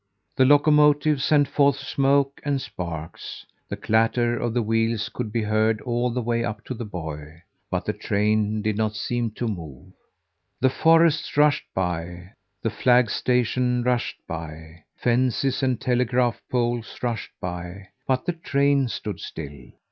The locomotive sent forth smoke and sparks. The clatter of the wheels could be heard all the way up to the boy, but the train did not seem to move. The forests rushed by; the flag station rushed by; fences and telegraph poles rushed by; but the train stood still.